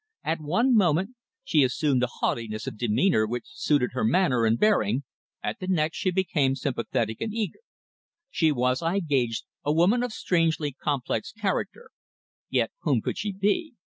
At one moment she assumed a haughtiness of demeanour which suited her manner and bearing, at the next she became sympathetic and eager. She was, I gauged, a woman of strangely complex character. Yet whom could she be?